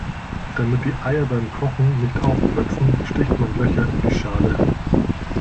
Damit die Eier beim Kochen nicht aufplatzen, sticht man Löcher in die Schale.